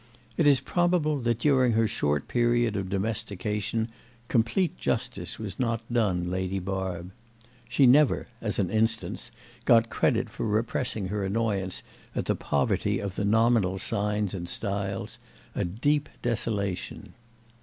It is probable that during her short period of domestication complete justice was not done Lady Barb; she never—as an instance—got credit for repressing her annoyance at the poverty of the nominal signs and styles, a deep desolation.